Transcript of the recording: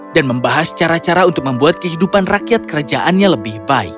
dan membahas cara cara untuk membuat kehidupan rakyat kerajaannya lebih baik